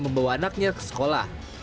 membawa anaknya ke sekolah